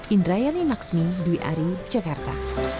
indrayani maksmi dewi ari jakarta